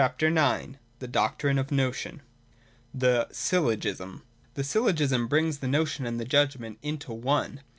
314 THE DOCTRINE OF THE NOTION. [i8i. (c) The Syllogism. 181.J The Syllogism brings the notion and the judg ment into one.